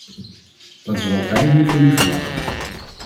Dat is wat wij nu van u verwachten.